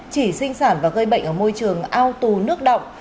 chỉ sinh sản và gây bệnh ở môi trường ao tù nước động